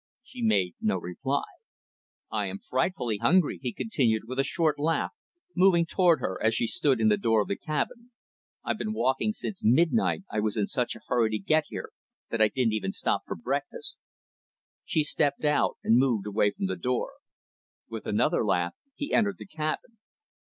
She made no reply. "I am frightfully hungry" he continued, with a short laugh, moving toward her as she stood in the door of the cabin "I've been walking since midnight I was in such a hurry to get here that I didn't even stop for breakfast." She stepped out, and moved away from the door. With another laugh, he entered the cabin.